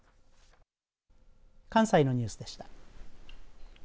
関西のニュースでした。